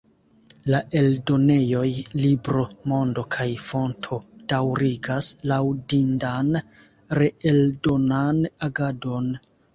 La eldonejoj Libro-Mondo kaj Fonto daŭrigas laŭdindan reeldonan agadon.